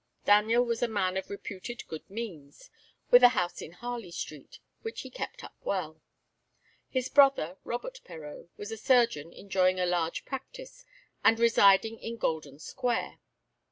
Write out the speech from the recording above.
Daniel was a man of reputed good means, with a house in Harley Street, which he kept up well. His brother, Robert Perreau, was a surgeon enjoying a large practice, and residing in Golden Square.